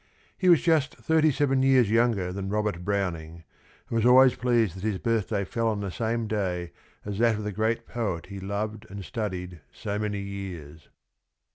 He was just thirty seven years younger than Robert Browning, and was always pleased that his birthday fell on the same day as that of the great poet he loved and studied so many years.